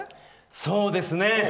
そうですね。